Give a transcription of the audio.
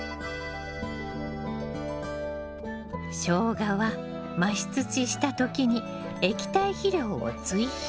ショウガは増し土した時に液体肥料を追肥。